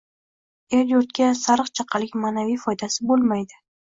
el-yurtga sariq chaqalik ma’naviy foydasi bo‘lmaydi.